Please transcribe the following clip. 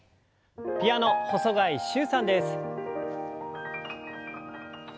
ピアノ細貝柊さんです。